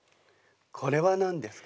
これは何ですか？